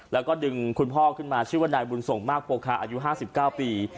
แล้วก็ดึงคุณพ่อขึ้นมาชื่อว่านายบุญส่งมากโปคาอายุ๕๙ปี